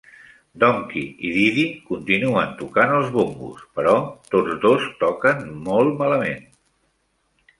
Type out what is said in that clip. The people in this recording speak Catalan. Donkey i Diddy continuen tocant els bongos, però tots dos toquen molt malament.